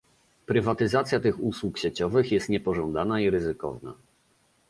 Prywatyzacja tych usług sieciowych jest niepożądana i ryzykowna